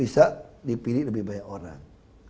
mungkin kamu bisa dipilih lebih banyak orang